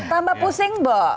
tambah pusing bo